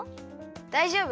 だいじょうぶ。